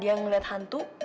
dia ngeliat hantu